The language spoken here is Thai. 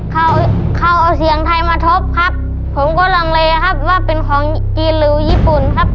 เขาเขาเอาเสียงไทยมาทบครับผมก็ลังเลครับว่าเป็นของจีนหรือญี่ปุ่นครับ